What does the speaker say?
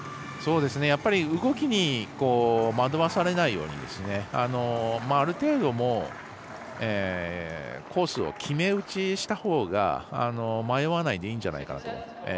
動きに惑わされないようにある程度コースを決め打ちしたほうが迷わないでいいんじゃないかと。